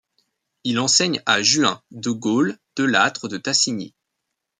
Il enseigne ainsi à Juin, de Gaulle, de Lattre de Tassigny.